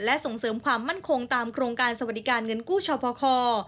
และส่งเสริมความมั่นคงตามโครงการสวัสดิการเงินกู้ชพค